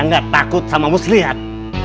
saya gak takut sama mus lihat